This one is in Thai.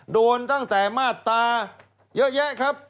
โดนตั้งแต่มาตราเยอะแยะครับ